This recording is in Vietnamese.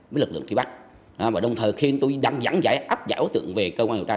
đối tượng khi bắt giữ tài đối tượng có những biểu hiện chống đấu quyết liệt với cơ quan điều tra